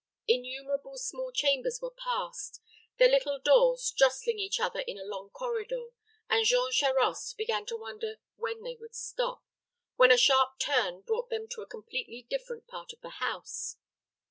Innumerable small chambers were passed, their little doors jostling each other in a long corridor, and Jean Charost began to wonder when they would stop, when a sharp turn brought them to a completely different part of the house.